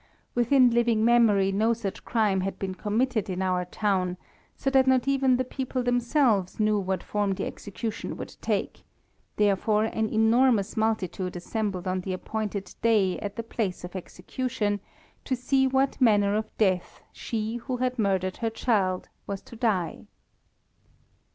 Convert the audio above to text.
Within living memory no such crime had been committed in our town, so that not even the people themselves knew what form the execution would take, therefore an enormous multitude assembled on the appointed day at the place of execution to see what manner of death she who had murdered her child was to die.